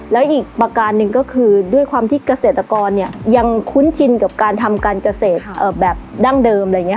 และอีกประการหนึ่งก็คือด้วยความที่เกษตรกรยังคุ้นชินกับการทำการเกษตรแบบดั้งเดิม